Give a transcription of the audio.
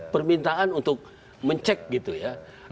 permintaan untuk mencek gitu ya